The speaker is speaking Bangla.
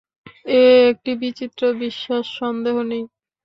এ একটি বিচিত্র বিশ্বাস সন্দেহ নেই।